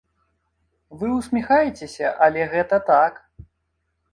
Вы ўсміхаецеся, але гэта так!